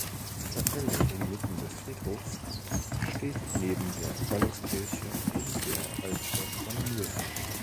Die Kapelle inmitten des Friedhofs steht neben der Galluskirche in der Altstadt von Mühlheim.